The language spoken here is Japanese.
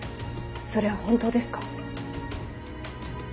それは本当ですか？